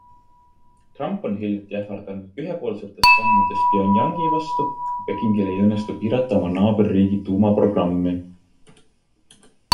Trump on hiljuti ähvardanud ühepoolsetest sammudest Pyongyangi vastu, kui Pekingil ei õnnestu piirata oma naaberriigi tuumaprogrammi.